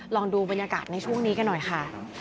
ลองดูบรรยากาศในช่วงนี้กันหน่อยค่ะ